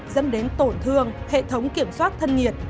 dẫn đến tổn thương hệ thống kiểm soát thân nhiệt